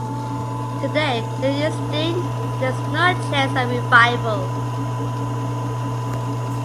Today they are extinct and there is no chance of revival.